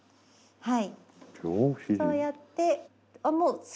はい。